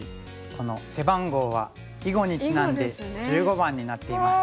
この背番号は「囲碁」にちなんで「１５」番になっています。